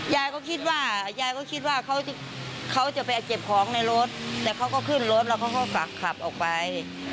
ยายก็คิดว่ายายก็คิดว่าเขาจะไปเก็บของในรถแต่เขาก็ขึ้นรถแล้วเขาก็ฝากขับออกไป